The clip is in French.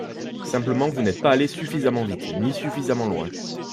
Simplement, vous n’êtes pas allés suffisamment vite, ni suffisamment loin.